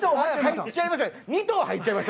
入っちゃいました。